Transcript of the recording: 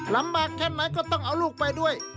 ลำบากแค่ไหนก็ต้องเอาลูกไปด้วย